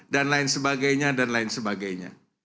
dan lain sebagainya dan lain sebagainya